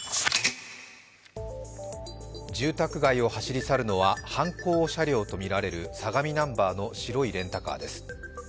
住宅街を走り去るのは犯行車両とみられる相模ナンバーの白いレンタカーです。